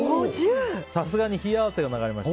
さすがに冷や汗が流れました。